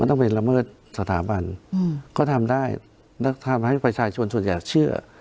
ต้องไปละเมิดสถาบันก็ทำได้แล้วทำให้ประชาชนส่วนใหญ่เชื่อ